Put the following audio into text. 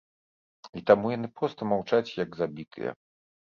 І таму яны проста маўчаць як забітыя.